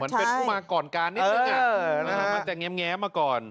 เป็นผู้มาก่อนการนิดนึงมันจะแง้มมาก่อน